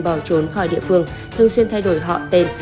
bỏ trốn khỏi địa phương thường xuyên thay đổi họ tên